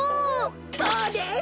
そうです。